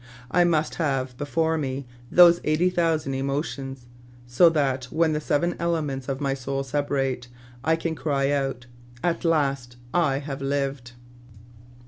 I must have before me those eighty thousand emo tions, so that, when the seven elements of my soul separate, I can cry out, 'At last I have lived